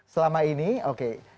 selama ini oke